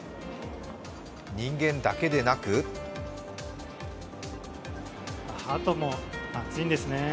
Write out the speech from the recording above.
人間だけでなくはとも暑いんですね。